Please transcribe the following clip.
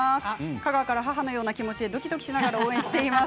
香川から母のような気持ちでドキドキしながら応援しています。